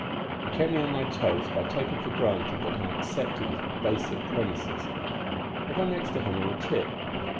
He kept me on my toes by taking for granted that I accepted his basic premises. I got next to him on a tip.